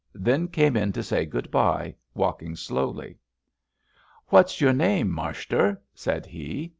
Then came in to say good bye, walking slowly. What's your name, marshter! '' said he.